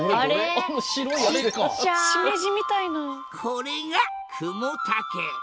これがクモタケ。